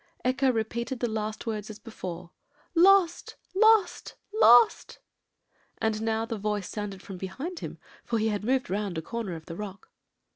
Echo repeated the last words as before, 'Lost! lost! lost!' and now the voice sounded from behind him, for he had moved round a corner of a rock.